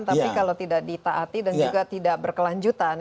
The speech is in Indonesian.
tapi kalau tidak ditaati dan juga tidak berkelanjutan